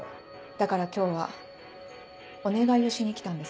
だから今日はお願いをしに来たんです。